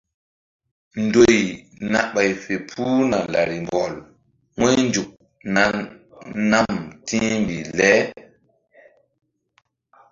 Ndoy na ɓay fe puhna larimbɔl wu̧ynzuk nam ti̧hmbih le.